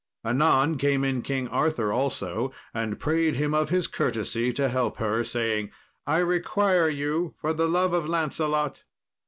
Anon came in King Arthur also, and prayed him of his courtesy to help her, saying, "I require you for the love of Lancelot."